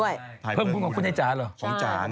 ชามภูมิจาอย่างนั้น